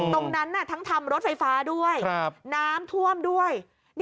ตรงนั้นทั้งทำรถไฟฟ้าด้วยน้ำท่วมด้วย